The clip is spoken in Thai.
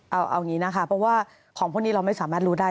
เอาอย่างนี้นะคะเพราะว่าของพวกนี้เราไม่สามารถรู้ได้